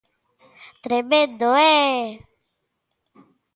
Tremendo, ¡eh!